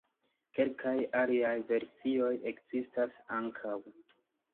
Kelkaj aliaj versioj ekzistas ankaŭ.